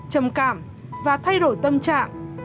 trầm cảm và thay đổi tâm trạng